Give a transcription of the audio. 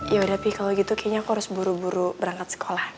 yaudah pi kalo gitu kayaknya aku harus buru buru berangkat sekolah